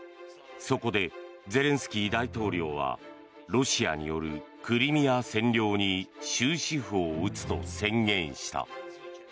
そこでゼレンスキー大統領はロシアによるクリミア占領に終止符を打つと宣言した。